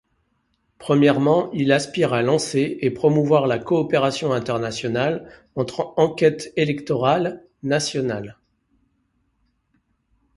Premièrement, il aspire à lancer et promouvoir la coopération internationale entre enquêtes électorales nationales.